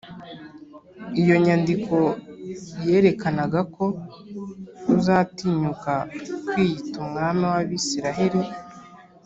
iyo nyandiko yerekanaga ko uzatinyuka kwiyita umwami w’abisiraheri